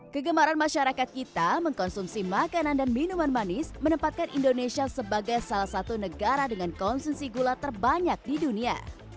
kegemaran masyarakat kita mengkonsumsi makanan dan minuman manis menempatkan indonesia sebagai salah satu negara dengan konsumsi gula terbanyak di dunia